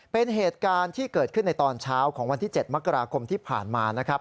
เป็นเหตุการณ์ที่เกิดขึ้นในตอนเช้าของวันที่๗มกราคมที่ผ่านมานะครับ